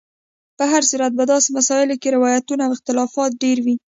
په هر صورت په داسې مسایلو کې روایتونو او اختلافات ډېر وي.